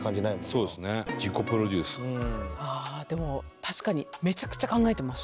「そうですね。自己プロデュース」ああでも確かにめちゃくちゃ考えてます。